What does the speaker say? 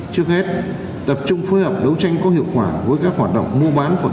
trước hết tập trung phối hợp đấu tranh có hiệu quả